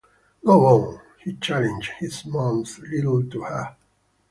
“Go on!” he challenged, his mouth lifted to her.